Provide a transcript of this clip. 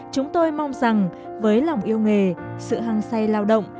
chúng tôi mong rằng với lòng yêu nghề sự hăng say lao động